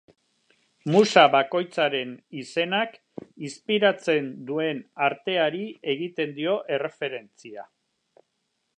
Musa bakoitzaren izenak inspiratzen duen arteari egiten dio erreferentzia.